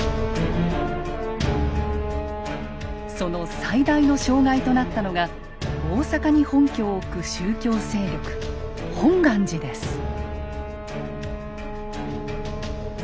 その最大の障害となったのが大坂に本拠を置く宗教勢力本願寺です。